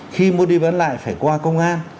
khi mua đi bán lại phải qua công an